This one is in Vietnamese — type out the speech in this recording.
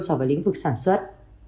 so với lĩnh vực sản xuất